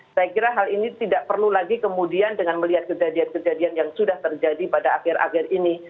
saya kira hal ini tidak perlu lagi kemudian dengan melihat kejadian kejadian yang sudah terjadi pada akhir akhir ini